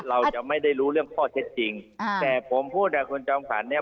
เราจะไม่ได้รู้เรื่องข้อเท็จจริงแต่ผมพูดอ่ะคุณจอมขวัญเนี่ย